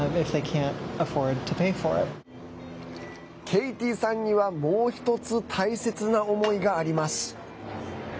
ケイティさんには、もう１つ大切な思いがあります。